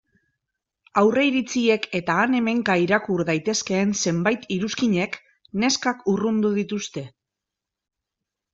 Aurreiritziek eta han-hemenka irakur daitezkeen zenbait iruzkinek neskak urrundu dituzte.